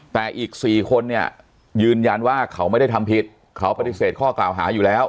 แต่อีก๔คนเนี่ยยืนยันว่าเขาไม่ได้ทำผิดเขาปฏิเสธข้อกล่าวหาอยู่แล้ว